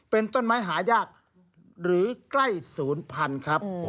เป็นต้นไม้หายากหรือใกล้๐๐๐๐ครับ